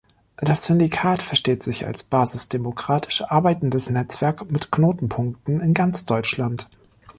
Das Syndikat versteht sich als basisdemokratisch arbeitendes Netzwerk mit Knotenpunkten in ganz Deutschland.